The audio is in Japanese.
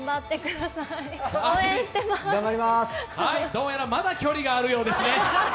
どうやらまだ距離があるようですね。